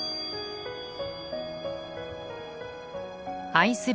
愛する